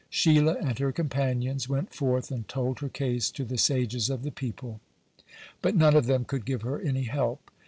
Sheilah and her companions went forth and told her case to the sages of the people, but none of them could give her any help.